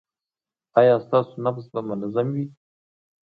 ایا ستاسو نبض به منظم وي؟